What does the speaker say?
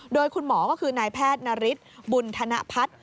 โดยคุณหมอก็คือนายแพทย์นฤทธิ์บุญธนพัฒน์